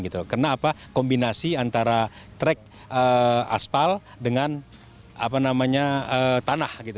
karena kombinasi antara trek aspal dengan tanah